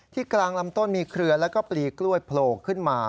กลางลำต้นมีเครือแล้วก็ปลีกล้วยโผล่ขึ้นมา